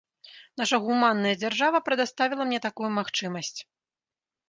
Наша гуманная дзяржава прадаставіла мне такую магчымасць.